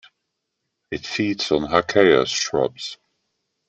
It feeds on "Hakea" shrubs.